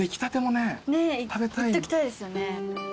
ねえいっときたいですよね。